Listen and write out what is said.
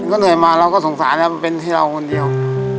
ก็เหนื่อยมาเราก็สงสารแล้วมันเป็นที่เราคนเดียว